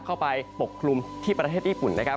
ปกคลุมที่ประเทศญี่ปุ่นนะครับ